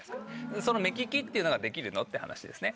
その目利きっていうのができるの？って話ですね。